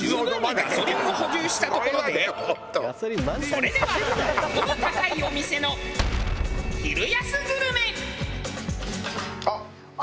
それでは夜高いお店の昼安グルメ。